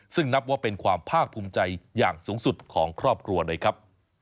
ซึ่งนับว่าเป็นความภาคภูมิใจอย่างสูงสุดของครอบครัวเลยครับ